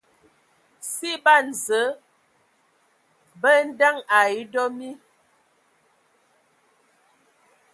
Si ban Zǝə bə andəŋ ai dɔ mi.